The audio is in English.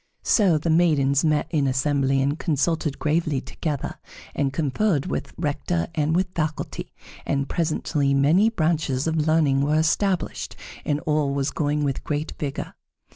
So the maidens met in assembly and consulted gravely together, and conferred with Rector and with faculty, and presently many branches of learning were established and all was going with great vigor.